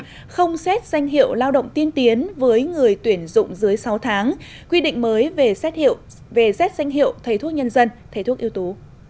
quy định mới về xét danh hiệu lao động tiên tiến với người tuyển dụng dưới sáu tháng quy định mới về xét danh hiệu thầy thuốc nhân dân thầy thuốc yếu tố